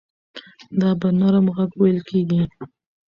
دا په نرم غږ وېل کېږي.